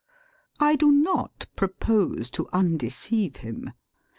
I do not propose to undeceive him.